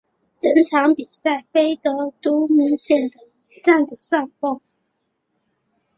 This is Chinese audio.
整场比赛菲德都明显的占着上风。